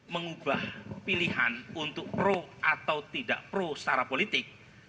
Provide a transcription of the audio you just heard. mengubah pilihan untuk pro atau tidak pro secara politik